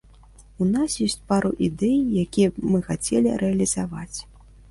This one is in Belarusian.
У нас ёсць пару ідэй, якія б мы хацелі рэалізаваць.